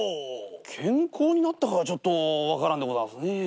健康になったかはちょっと分からんでございますねぇ。